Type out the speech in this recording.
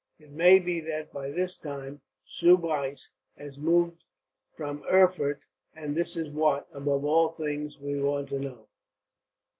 It may be that by this time Soubise has moved from Erfurt; and this is what, above all things, we want to know.